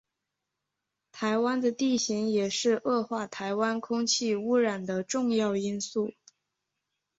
台湾的地形也是恶化台湾空气污染的重要因素。